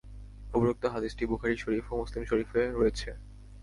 উপরোক্ত হাদীসটি বুখারী শরীফ ও মুসলিম শরীফে রয়েছে।